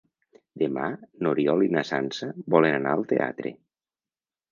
Demà n'Oriol i na Sança volen anar al teatre.